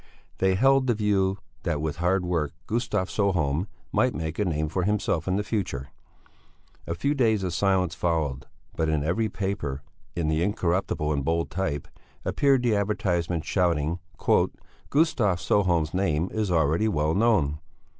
They held the view that with hard work Gustav Sjöholm might make a name for himself in the future. A few days of silence followed, but in every paper in the Incorruptible in bold type appeared the advertisement, shouting: "Gustav Sjöholm's name is already well known."